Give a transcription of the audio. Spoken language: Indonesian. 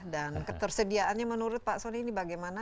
dan ketersediaannya menurut pak soni ini bagaimana